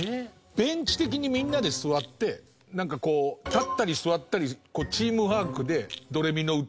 ベンチ的にみんなで座ってなんかこう立ったり座ったりチームワークで『ドレミのうた』みたいな。